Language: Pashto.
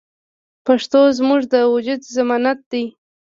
پښتو زموږ د وجود ضمانت دی.